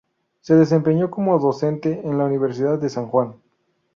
Se desempeñó como docente en la Universidad de San Juan.